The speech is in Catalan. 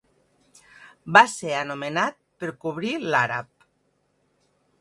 Va ser anomenat per cobrir l"àrab.